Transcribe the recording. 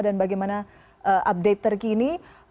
dan bagaimana update terkini